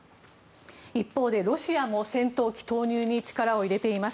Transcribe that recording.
一方で、ロシアも戦闘機投入に力を入れています。